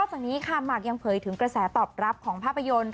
จากนี้ค่ะหมากยังเผยถึงกระแสตอบรับของภาพยนตร์